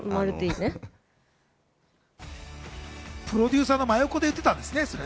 プロデューサーの真横で言ってたんですね。